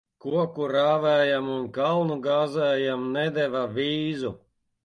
Koku rāvējam un kalnu gāzējam nedeva vīzu.